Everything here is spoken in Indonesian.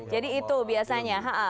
jadi itu biasanya